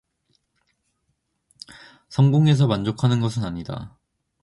성공해서 만족하는 것은 아니다.